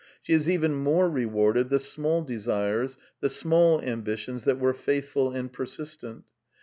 She has even more rewarded the small desires, the small ambitions that were faithful and persistent.